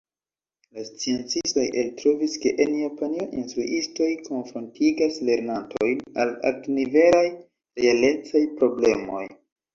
La sciencistoj eltrovis, ke en Japanio instruistoj konfrontigas lernantojn al altnivelaj realecaj problemoj.